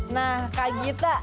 nah kak gita